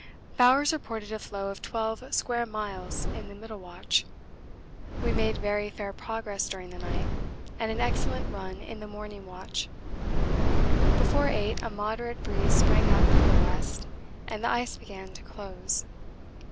Bowers reported a floe of 12 square miles in the middle watch. We made very fair progress during the night, and an excellent run in the morning watch. Before eight a moderate breeze sprang up from the west and the ice began to close.